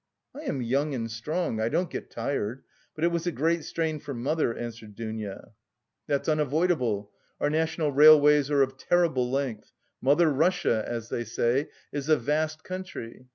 "I am young and strong, I don't get tired, but it was a great strain for mother," answered Dounia. "That's unavoidable! our national railways are of terrible length. 'Mother Russia,' as they say, is a vast country....